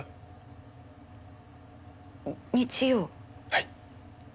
はい。